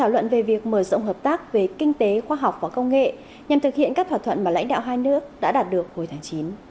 luận về việc mở rộng hợp tác về kinh tế khoa học và công nghệ nhằm thực hiện các thỏa thuận mà lãnh đạo hai nước đã đạt được hồi tháng chín